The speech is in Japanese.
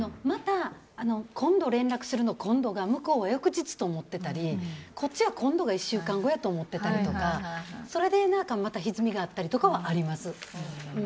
また今度連絡するの今度が向こうは翌日と思っていたりこっちは今度が１週間後やと思ってたりとかそれでまたひずみがあったりとかはあります。